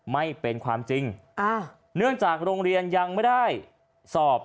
ไม่เป็นความจริงอ่าเนื่องจากโรงเรียนยังไม่ได้สอบ